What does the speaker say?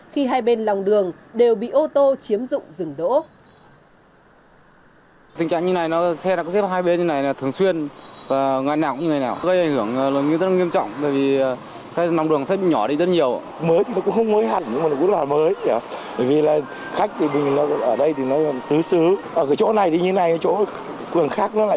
khi hai bên lòng đường đều bị ô tô chiếm dụng